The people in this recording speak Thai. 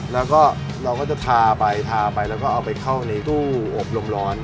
แล้วก็เราก็จะทาไปทาไปแล้วก็เอาไปเข้าในตู้อบรมร้อน